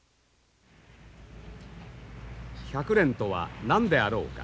百練とは何であろうか。